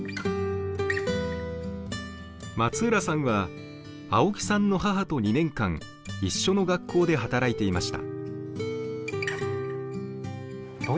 松浦さんは青木さんの母と２年間一緒の学校で働いていました。